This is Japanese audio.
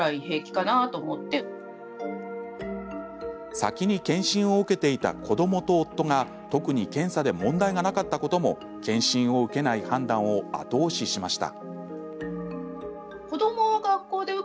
先に健診を受けていた子どもと夫が特に検査で問題がなかったことも健診を受けない判断を後押ししました。